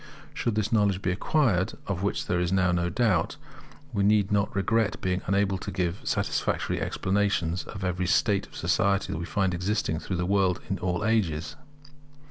Should this knowledge be acquired, of which there is now no doubt, we need not regret being unable to give a satisfactory explanation of every state of society that we find existing throughout the world in all ages.